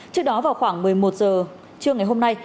trước đó vào khoảng một mươi một h trưa ngày hôm nay